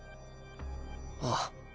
ああ。